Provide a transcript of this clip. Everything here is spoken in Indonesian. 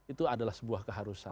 itu adalah sebuah keharusan